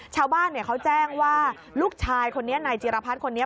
ชาวบ้านเขาแจ้งว่าลูกชายคนนี้นายจิรพัฒน์คนนี้